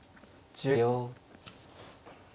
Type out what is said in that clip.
１０秒。